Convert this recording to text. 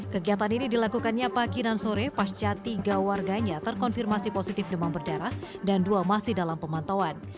kegiatan ini dilakukannya pagi dan sore pasca tiga warganya terkonfirmasi positif demam berdarah dan dua masih dalam pemantauan